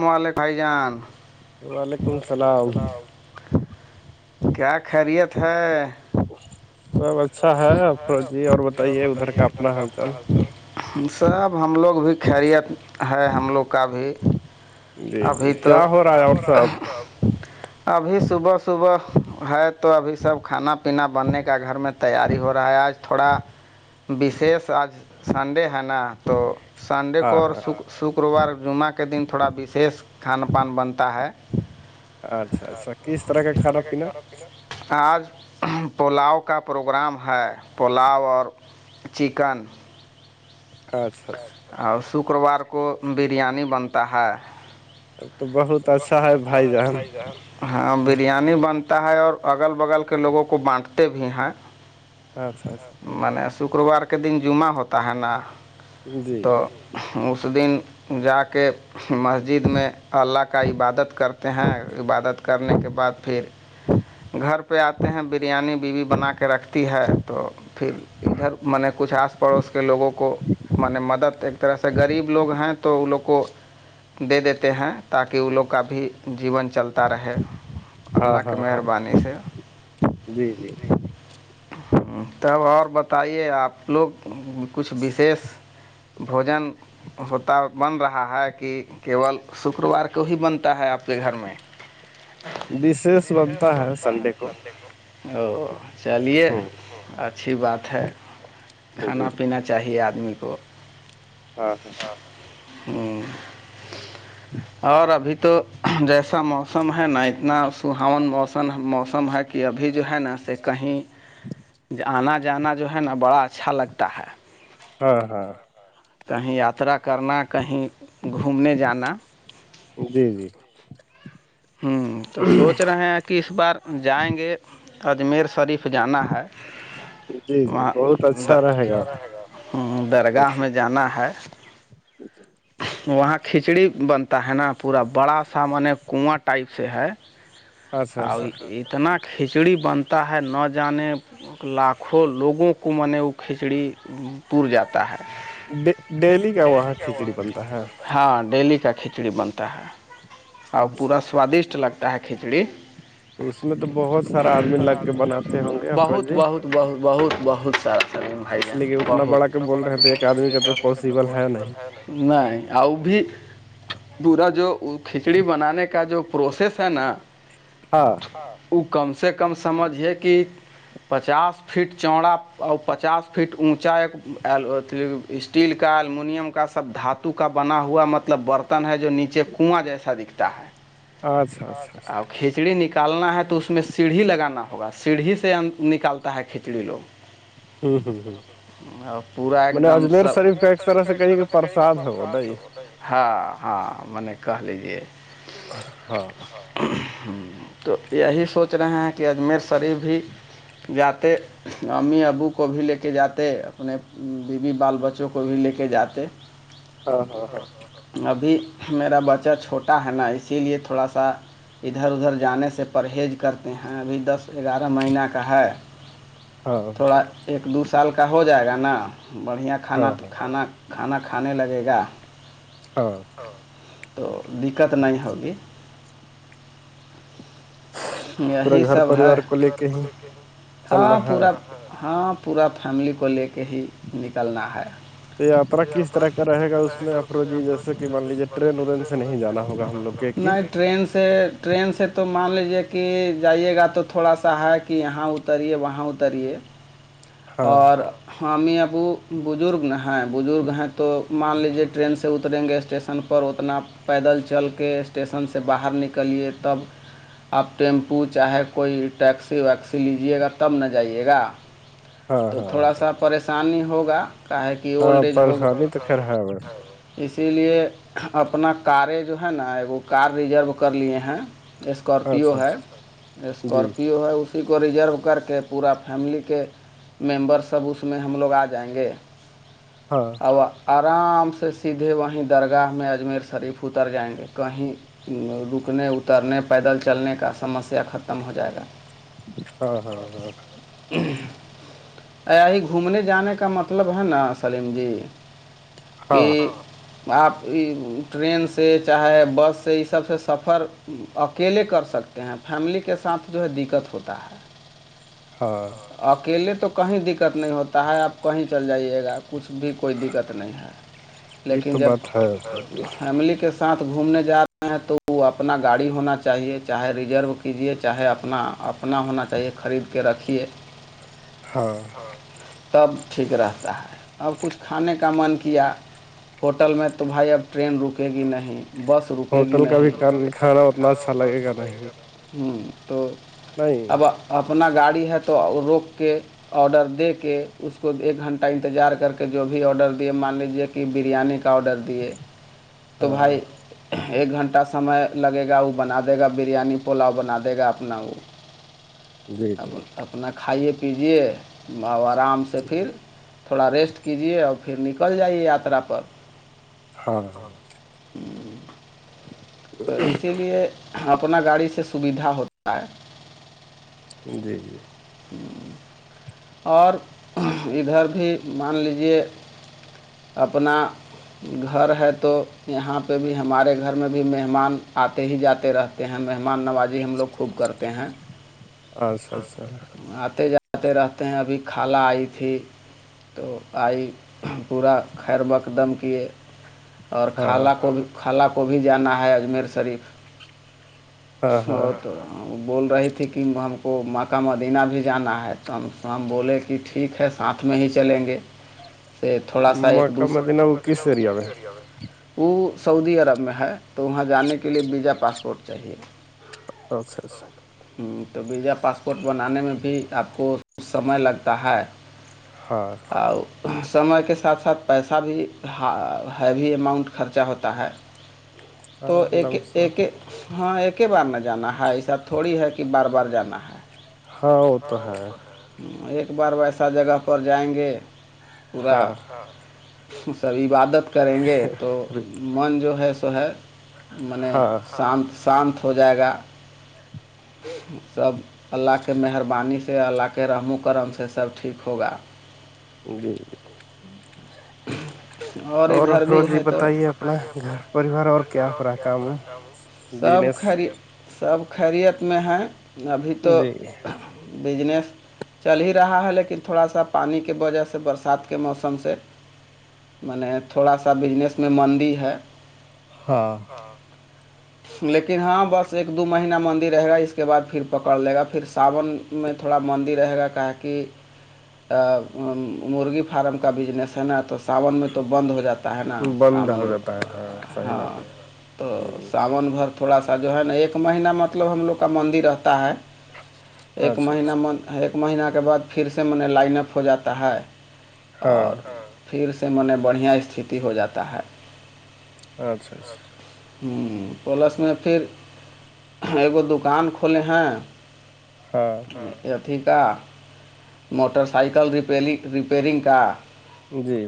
ملک فھائیجان وعلیکم السلام کیا خیریت ہے ھا ہے اور بتائیےھر کا اپنا [unintelligible] سب ہم لوگ بھی خیریت ہے ہم لوگ کا بھی جی جی کیا ہو رہا ہے اور صاحب ابھی صبح صبح ہے تو ابھی سب کھانا پینا بننے کا گھر میں تیاری ہو رہا ہے آج تھوڑا وشیش آج سنڈے ہے نا تو سنڈے کو اور شکروار جمعہ کے دن تھوڑا وشیش کان پان بنتا ہے [unintelligible] اچھا اچھا کس طرح کا کھانا پینا آج پلاؤ کا پروگرام ہے پلاؤ اور چکن اچسا اھا اور شکروار کو بریانی بنتا ہے سب تو بہت بہت اچھا ہے بھائی ج ہاں بریانی بن ہے اور اگل بگل کے لوگوں کو بانٹتے بھی ہیں میں نے شکروار کے دن جمعہ ہوتا ہے نا تو اس دن جا کے مسجد میں اللہ کا عبادت کرتے ہیں عبادت کرنے کے بعد پھر گھر پہ آتے ہیں بریانی بیوی بنا کے رکھتی ہے تو پھر ادھر میں نے کچھ آس پڑوس کے لوگوں کو میں نے مدد ایک طرح سے غریب لوگ ہیں تو ان لوگ کو دے دیتے ہیں تاکہ وہ لوگ کا بھی جیون چلتا رہے اللہ کی مہربانی سے تب اور بتائیے آپ لوگ کچھ وشیش بوجن ہوتا بن رہا ہے کہ کیول س شکروار کو ہی بنتا ہے آپ کے گھر میں وشیش بنتا ہے سنڈے کو او چلیے اچھی بات ہے کھانا پینا چاہی آدمی کو ہاں ہاں [unintelligible] ہوں جی [inaudible] اور ابھی تو جیسا موسم ہے نہ اتنا سہاون موسم موسم ہے کہ ابھی جو ہے نا اس کہیں آنا جانا جو ہے نا بڑا اچھا لگتا ہے ہاں ہاں کہیں یاترا کرنا کہیں گھومنے جانا جی جی ہوں تو سوچ رہے ہیں کہ اس بار جائیں گے اجمیر شریف جانا ہے وہاں ہ درگاہ میں جانا ہے وہاں کھچڑی بنتا ہے نا پورا بڑا سامان کنواں ٹائپ سے ہے اور اتنا کھچڑی بنتا ہے نہ جانے لاکھوں لوگوں کو م نے وہ کھچڑی پور جاتا ہے ڈیلی کا وہاں کھچڑی بنتا ہے ہاں ڈیلی کا کھچڑی بنتا ہے اور پورا سوادشٹ لگتا ہے کھچڑی تو اس میں تو بہت سارا آدمی لگ کے بناتے ہوں گے فرج بہت بہت بہت سار سلیم بھائی جان بہتنا بڑاد پل ہے نہیں اور بھی پورا جو کھچڑی بنانے کا جو پروسیس ہے نا وہ کم سے کم سمجھ یہ کہ پچاس فٹ چڑا اور پچاس فٹ اونچا ایک آل اسٹیل کا المنیم کا سب دھاتو کا بنا ہوا مطلب برتن ہے جو نیچے کنواں جیسا دکھتا ہے کھچڑی نک نکالنا ہے تو اس میں سیڑھی لگانا ہوگا سیڑھی سے نکالتا ہے کھچڑی لوگ پورا ایک دم س ہاں ہاں م کہ لیجے ہاں تو یہی سوچ رہے ہیں کہ اجمیر شریف بھی جاتے امی ابو کو بھی لے کے جاتے اپنے بیوی بال بچوں کو بھی لے کے جاتے ابھی میرا بچہ چھوٹا ہے نا اسی لیے تھوڑا سا ادھر ادھر جانے سے پرہیز کرتے ہیں ابھی دس گیارہ مہینہ کا ہے تھوڑا ایک دو سال کا ہو جائے گا نا بڑھیا کھانا کھانا کھانا کھانے لگے گا ہاں تو دقت نہیں ہوگی یہی سب ہےار کوے کے ہاں پورا ہاں پورا فیملی کو لے کے ہی نکلنا ہے یاتر کی کرا ہے گا اس یار کی جسے کہ ب ج طر نہیں جانا ہوگا نہیں ٹرین سے ٹرین سے تو مان لیجیے کہ جائیے گا تو تھوڑا سا ہے کہ یہاں اتریے وہاں اتریے اور ہمیں ابو بزرگ نہ ہیں بزرگ ہیں تو مان لیجے ٹرین سے اتر اترنگ اسٹیشن پر اتنا پیدل چل کے اسٹیشن سے باہر نکلے تب آپ ٹیمپو چاہے کوئی ٹیکسی ویکسی لیجیے گا تب نہ جائیے گا تو تھوڑا سا پریشانی ہوگا کا ہے کہ اولڈ ایج ہوگ اسی لیے اپنا کاریں جو ہے نا وہ کار ریزرو کر لیے ہیں اسکارپیو ہے اسکارپیو ہے اسی کو ریزرو کر کے پورا فیملی کے ممبر سب اس میں ہم لوگ آ جائیں گے ا آرام سے سیدھے وہیں درگاہ میں اجمیر شریف اتر جائیں گے کہیں رکنے اتارنے پیدل چلنے کا سمسیا ختم ہو جائے گا ہوں ایا ہی گھومنے جانے کا مطلب ہے نا سلیم جی کہ آپ ٹرین سے چاہے بس سے یہ سب سے سفر اکیلے کر سکتے ہیں فیملی کے ساتھ جو ہے دقت ہوتا ہے اکیلے تو کہیں دقت نہیں ہوتا ہے آپ کہیں چل جائیے گا کچھ بھی کوئی دقت نہیں ہے لیکن ساتھ گھومنے جا رہے ہیں تو وہ اپنا گاڑی ہونا چاہیے چاہے ریزرو کیجیے چاہے اپنا اپنا ہونا چاہیے خرید کے رکے ہاں تب ٹھیک رہتا ہے اب کچھ کھانے کا من کیا ہوٹل میں تو بھائی اب ٹرین رکے گی نہیں بس رکے گی نہیں کھانا اتنا اچھا لگے گا نہیں ہوں تو اب اپنا گاڑی ہے تو روک کے آڈر دے کے اس کو ایک گھنٹہ انتظار کر کے جو بھی آڈر دیا مان لیجیے کہ بریانی کا کا آڈر دیے تو بھائی ایک گھنٹہ سمے لگے گا وہ بنا دے گا بریانی پلاؤ بنا دے گا اپنا وہ اب اپنا کھائیے پیے اور آرام سے پھر تھوڑا ریسٹ کیجیے اور پھر نکل جائیے یاترا پر ہاں تو اسی لیے اپنا گاڑی سے سویدھا ہوتا ہے جی جی اور ادھر بھی مان لیجیے اپنا گھر ہے تو یہاں پہ بھی ہمارے گھر میں بھی مہمان آتے ہی جاتے رہتے تے ہیں مہمان نوازی ہم لوگ خوب کرتے ہیں اچھا اچھا آتے جاتے رہتے ہیں ابھی خالہ آئی تھی تو آئی پورا خیر مقدم کیے اور خالہ کو بھی خالہ کو بھی جانا ہے اجمیر شریف بول رہی تھی کہ ہم کو مک دینا بھی جانا ہے تو ہم ہم بولے کہ ٹھیک ہے ساتھ میں ہی چلیں گے سے تھوڑا سا ایک دوسرا وہ سعودی عرب میں ہے تو وہاں جانے کے لیے وجا پاسپورٹ چاہیے تو وجا پاسپورٹ بنانے میں بھی آپ کو کچھ سمے لگتا ہے ہاں سمے کے ساتھ ساتھ پیسہ بھی ہیوی اماؤنٹ خرچہ ہوتا ہے اچھا تو ایک ایک ہاں ایک ہی بار نہ جانا ہے ایسا تھوڑی ہے کہ بار بار جانا ہے ہاں ایک بار ویسا جگہ پر جائیں گے پورا سب عبادت کریں گے تو من جو ہے سو ہے منے شانت شانت ہو جائے گا سب اللہ کے مہربانی انی سے اللہ کے رحم و کرم سے سب ٹھیک ہوگا جی جی اور ادھر بھی ہے تو ا بتائیے اپناھرار اور کیا ہو رہا تھا وہ سب خیریت سب خریت میں ہیں ابھی تو بزنیس چل ہی رہا ہے لیکن تھوڑا سا پانی کے وجہ سے برسات کے موسم سے منے تھوڑا سا بجنس میں مندی ہے ہاں لیکن ہاں بس ایک دو مہین مندر رہے گا اس کے بعد پھر پکڑ لے گا پھر ساون میں تھوڑا مندی رہے گا کا کہہ مرغی فارم کا بزنس ہے نا تو سان میں تو بند ہو جاتا ہے نا سان ہاں تو ساون بھر تھوڑا سا جو ہے نا ایک مہینہ مطلب ہم لوگ کا مندر رہتا ہے ایک مہینہ من ایک مہینہ کے بعد پھر سے میںن لائن اپ ہو جاتا ہے اور پھر سے من بڑھیا استتی ہو جاتا ہے اچھا اچھا ہوں پلس میں پھر ایگو دکان کھولے ہیں ہاں اھی کا موٹر سائیکل ر ریپیرنگ کا جی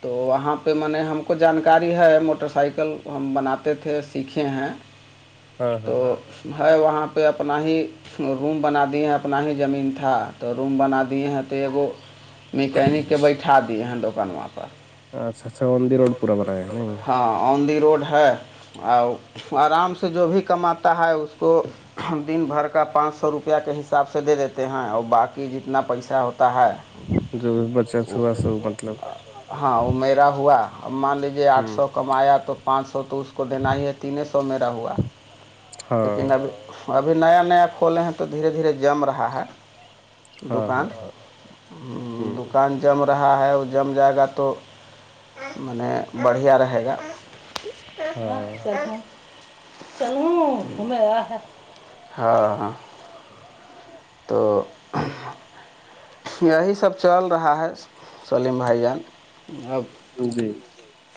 تو وہاں پہ میں نے ہم کو جانکاری ہے موٹر سائیکل ہم بناتے تھے سیکھے ہیں [inaudible] تو ہے وہاں پہ اپنا ہی روم بنا دیے ہیں اپنا ہی زمین تھا تو روم بنا دیے ہیں تو ایکگو میکینک کے بیٹھا دی ہیں دکان وہاں پر ہاں آن دی روڈ ہے اور آرام سے جو بھی کماتا ہے اس کو دن بھر کا پانچ سو روپیہ کے حساب سے دے دیتے ہیں اور باقی جتنا پیسہ ہوتا ہے جو بھی بچت ہوا مطلب ہاں وہ میرا ہوا اب مان لیجیے آٹھ سو کمایا تو پانچ سو تو اس کو دینا ہی ہے تنے سو میرا ہوا لیکن اب ابھی نیا نیا کھولے ہیں تو دھیرے دھیرے جم رہا ہے دکان دکان جم رہا ہے وہ جم جائے گا تو نے بڑھیا رہے گا چل چل گمیا ہے تو یہی سب چل رہا ہے سلیم بھائی جان اب جی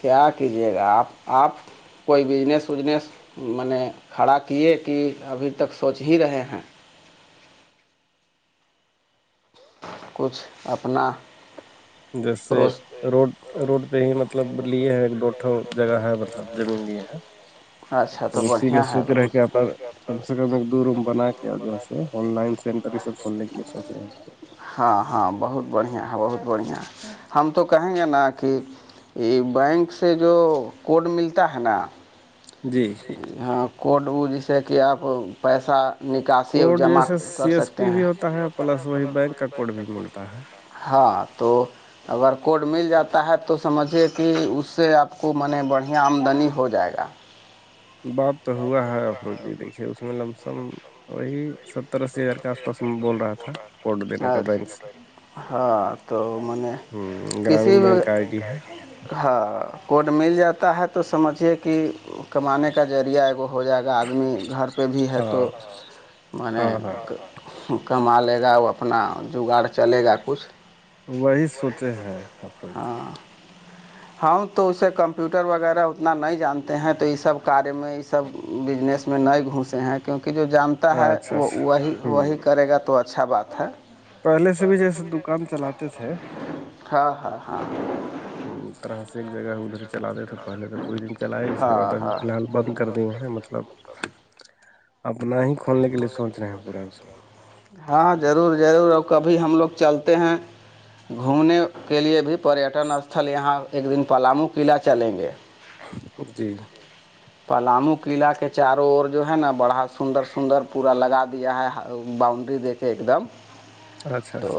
کیا کیجیے گا آپ آپ کوئی بجنس اجنس میں نے کھڑا کیے کہ ابھی تک سوچ ہی رہے ہیں کچھ اپنا جیسے روڈ روڈ پہ ہی مطلب لیے ہیں ایک دو جگہ ہے مطلب زمین لی ہیں تو اسی میں سوتے رہ کے یہاں پر کم سے کم ایک دو روم بنا کے ج سے آن لائن سینٹر یہ سب کھولنے کی سوچ ہے آپ کو ہاں ہاں بہت بڑھیا ہے بہت بڑھیا ہم تو کہیں گے نا کہ یہ بینک سے جو کوڈ ملتا ہے نا جی ہاں کوٹ وہ جیسے کہ آپ پیسہ کوڈ جیسے سی ایس پی بھی ہوتا ہے پلس وہی بینک کا کوڈ بھی ملتا ہے ہاں تو اگر کوڈ مل جاتا ہے تو سمجھیے کہ اس سے آپ کو میں نے بڑھیا آمدنی ہو جائے گا بات تو ہوا ہے اخروج جی دیکھیے اس میں لمسم وہی سب رہا تھا ہاں تو میں نے کسی بھی ہاں کوڈ مل جاتا ہے تو سمجھیے کہ کمانے کا ذریعہ ایگ ہو جائے گا آدمی گھر پہ بھی ہے تو میں نے کما لے گا وہ اپنا جگاڑ چلے گا کچھ وہی سوچے ہیں ہاں تو اسے کمپیوٹر وغیرہ اتنا نہیں جانتے ہیں تو یہ سب کاریہ میں یہ سب بزنس اس میں نہیں گھسے ہیں کیونکہ جو جانتا ہے وہ وہی وہی کرے گا تو اچھا بات ہے پہلے سے بھی ہاں ہاں ہاں طرح سے ایک جگہ ادھر چلا دے تو پہلے تو کوئیھ نہیں چلا اس کے بعد ابھی فی الحال بند کر دیے ہیں مطلب اپنا ہی کھولنے کے لیے سوچ رہے ہیں پورا اس میں ہاں ضرور ضرور اور کبھی ہم لوگ چلتے ہیں گھومنے کے لیے بھی پریٹن استھل یہاں ایک دن پلاامو قلعہ چلیں گے جی پلامو قلع کے چاروں ار جو ہے نا بڑا سندر سندر پورا لگا دیا ہے باؤنڈری دیکھے ایک دم تو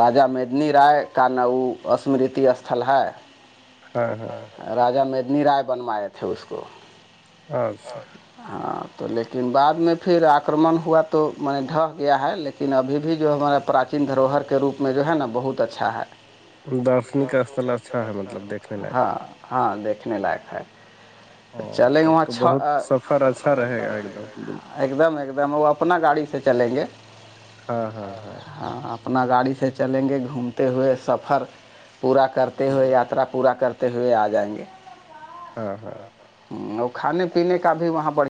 راجا مدنی رائے کا نو اسمرتی اسھل ہے راجا مدنی رائے بنوائے تھے اس کو ہاں تو لیکن بعد میں پھر آکرمن ہوا تو م ڈک گیا ہے لیکن لیکن ابھی بھی جو ہمارا پراچین دھروہر کے روپ میں جو ہے نا بہت اچھا ہے ہاں ہاں دیکھنے لائق ہے او تب تو بہت سفر اچھا رہے گا ایک دم ایک دم ایک دم وہ اپنا گاڑی سے چلیں گے ہاں اپنا گاڑی سے چلیں گے گھومتے ہوئے سفر پورا کرتے ہوئے یاترا پورا کر تے ہوئے آ جائیں گے ہاں ہاں ہاں اور کھان پینے کا بھی وہاں بڑھ